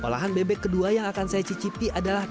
olahan bebek kedua yang akan saya cicipi adalah